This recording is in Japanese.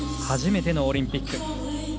初めてのオリンピック。